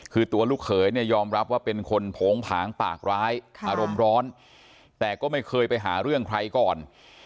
คือตัวลูกเขยเนี่ยยอมรับว่าเป็นคนโผงผางปากร้ายอารมณ์ร้อนแต่ก็ไม่เคยไปหาเรื่องใครก่อน